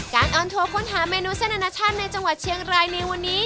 ออนทัวร์ค้นหาเมนูเส้นอนาชาติในจังหวัดเชียงรายในวันนี้